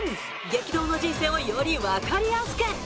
激動の人生をよりわかりやすく！